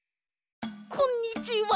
こんにちは。